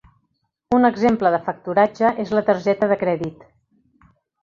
Un exemple de factoratge és la targeta de crèdit.